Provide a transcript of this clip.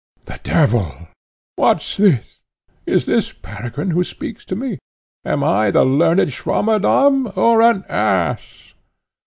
"The devil! What's this? Is this Peregrine, who speaks to me? Am I the learned Swammerdamm or an ass?"